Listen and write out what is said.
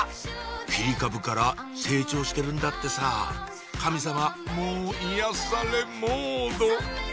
切り株から成長してるんだってさ神様もう癒やされモード